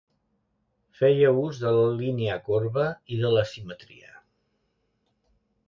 Feia ús de la línia corba i de l'asimetria.